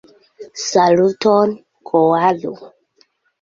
Saluton, koalo!